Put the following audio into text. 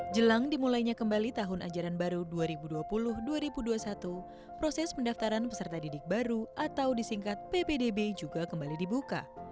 jelang dimulainya kembali tahun ajaran baru dua ribu dua puluh dua ribu dua puluh satu proses pendaftaran peserta didik baru atau disingkat ppdb juga kembali dibuka